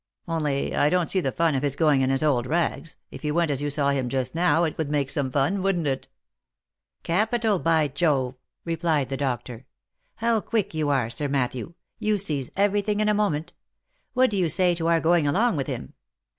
only I don't see the fun of his going in his old rags, if he went as you saw him just now, it would make some fun, wouldn't it ?"" Capital, by Jove !" replied the doctor. " How quick you are. Sir Matthew ! you seize every thing in a moment. What do you say to our going along with him